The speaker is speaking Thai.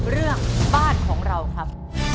เรื่องบ้านของเราครับ